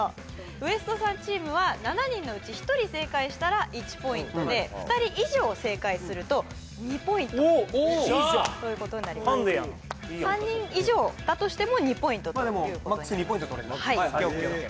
ＷＥＳＴさんチームは７人のうち１人正解したら１ポイントで２人以上正解すると２ポイントおおっいいじゃんハンデやん３人以上だとしても２ポイントということにマックス２ポイント取れるねオッケーオッケーオッケー